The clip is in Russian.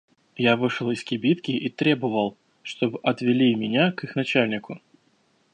Я вышел из кибитки и требовал, чтоб отвели меня к их начальнику.